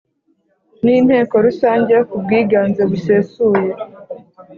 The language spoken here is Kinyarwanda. n inteko Rusange ku bw iganze busesuye